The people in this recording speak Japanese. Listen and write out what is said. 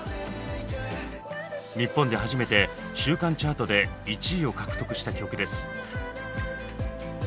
日本で初めて週間チャートで１位を獲得した曲です。